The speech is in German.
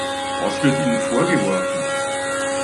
Was wird ihnen vorgeworfen?